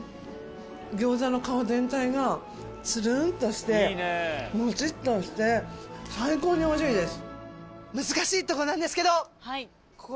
餃子の皮全体がツルンとしてモチっとして最高においしいです。